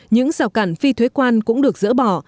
những rào cản phi thuế quan cũng được dỡ bỏ